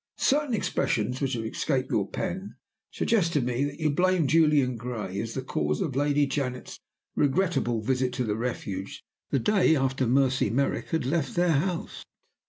"Certain expressions which have escaped your pen suggest to me that you blame Julian Gray as the cause of Lady Janet's regrettable visit to the Refuge the day after Mercy Merrick had left her house.